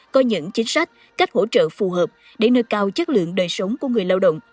có những chính sách cách hỗ trợ phù hợp để nơi cao chất lượng đời sống của người lao động